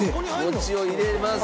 餅を入れます。